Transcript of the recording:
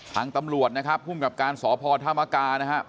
ทางตำรวจนะครับคุมกับการสอบพอธมากานะฮะ